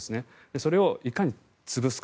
それをいかに潰すか。